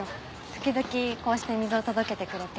時々こうして水を届けてくれて。